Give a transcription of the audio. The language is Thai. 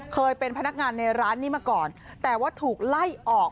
เคยเป็นพนักงานในร้านนี้มาก่อนแต่ว่าถูกไล่ออก